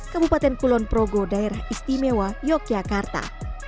kabupaten kulon progo daerah istimewa yogyakarta